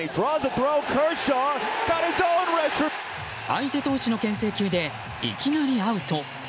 相手投手の牽制球でいきなりアウト。